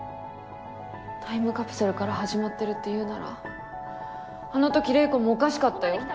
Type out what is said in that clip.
タイムカプセルから始まってるって言うならあの時玲子もおかしかったよ。